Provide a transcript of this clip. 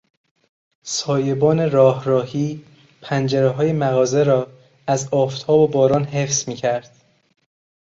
سایبان راه راهی پنجرههای مغازه را از آفتاب و باران حفظ میکرد.